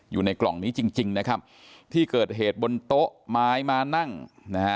อยู่ในกล่องนี้จริงจริงนะครับที่เกิดเหตุบนโต๊ะไม้มานั่งนะฮะ